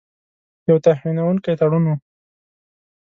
یو توهینونکی تړون وو.